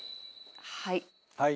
はい。